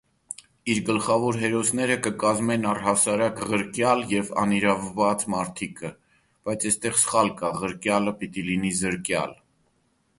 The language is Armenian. Իր գլխաւոր հերոսները կը կազմեն առ հասարակ ղրկեալ եւ անիրաւուած մարդիկը։